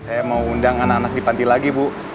saya mau undang anak anak di panti lagi bu